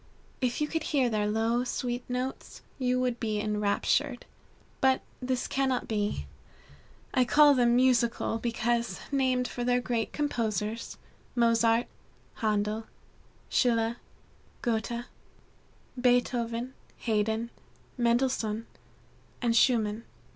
If you could hear their low, sweet notes, you would be enraptured. But this cannot be. I call them musical, because named for the great composers, Mozart, Handel, Schiller, Goethe, Beethoven, Haydn, Mendelssohn, and Schumann.